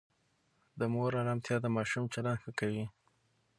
د مور آرامتیا د ماشوم چلند ښه کوي.